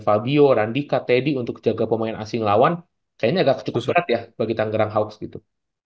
fabio randika teddy untuk jaga pemain asing lawan kayaknya agak cukup sulit ya bagi tanggerang house gitu